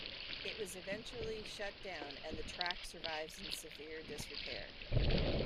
It was eventually shut down and the track survives in severe disrepair.